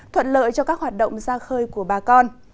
thuận lợi cho các hoạt động ra khơi của bà con